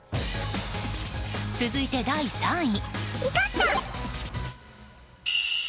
続いて第３位。